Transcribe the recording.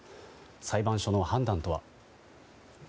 裁判所の判断とは？